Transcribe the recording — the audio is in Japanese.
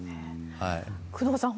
工藤さん